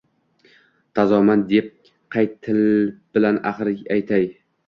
Tozaman deb qay til bilan axir aytay